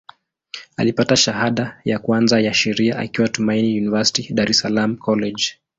Alipata shahada ya kwanza ya Sheria akiwa Tumaini University, Dar es Salaam College.